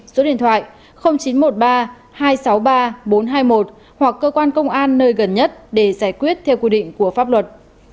số điện thoại chín trăm một mươi ba hai trăm sáu mươi ba bốn trăm hai mươi một hoặc cơ quan công an nơi gần nhất để giải quyết theo quy định của pháp luật